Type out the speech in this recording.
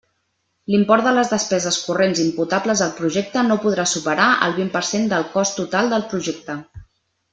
L'import de les despeses corrents imputables al projecte no podrà superar el vint per cent del cost total del projecte.